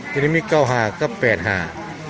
ตอนนี้มี๙หาก็๘หา